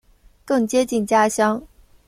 更接近家乡